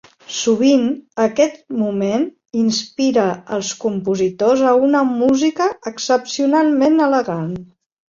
Sovint, aquest moment inspira als compositors a una música excepcionalment elegant.